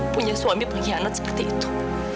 punya suami pengkhianat seperti itu